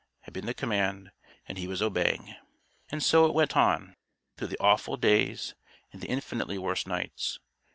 _" had been the command, and he was obeying. And so it went on, through the awful days and the infinitely worse nights.